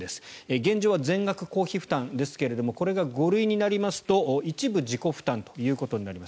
現状は全額公費負担ですけれどもこれが５類になりますと一部自己負担となります。